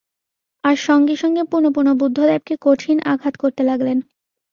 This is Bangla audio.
আর সঙ্গে সঙ্গে পুনঃপুন বুদ্ধদেবকে কঠিন আঘাত করতে লাগলেন।